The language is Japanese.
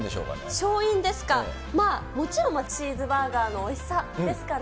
勝因ですか、まあもちろんチーズバーガーのおいしさですかね。